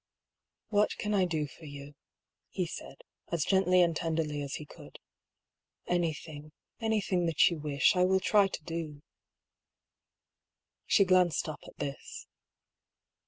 " What can I do for you ?" he said, as gently and tenderly as he could. " Anything, anything that you wish, I will try to do." She glanced up, at this.